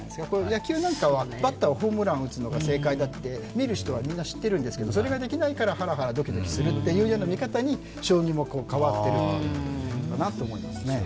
野球なんかはバッターがホームランを打つのが正解だってみんな知ってるんですけど、それができないからハラハラドキドキするんだという見方に将棋も変わっているということかなと思いますね。